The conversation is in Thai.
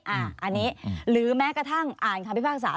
อันนี้หรือแม้กระทั่งอ่านคำพิพากษา